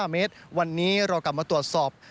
๕เมตรวันนี้เรากลับมาตรวจสอบ